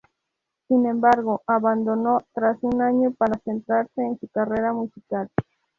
Sin embargo, abandonó tras un año para centrarse en su carrera musical.